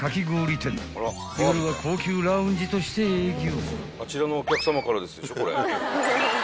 ［夜は高級ラウンジとして営業］